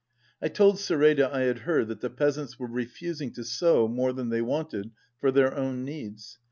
I told Seteda I had heard that the peasants were refusing to sow more than they wanted for their own needs.